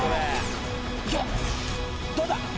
どうだ？